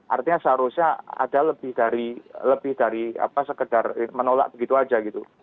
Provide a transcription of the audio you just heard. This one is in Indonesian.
artinya seharusnya ada lebih dari lebih dari apa sekedar menolak begitu aja gitu